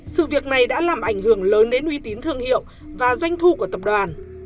sự việc này đã làm ảnh hưởng lớn đến uy tín thương hiệu và doanh thu của tập đoàn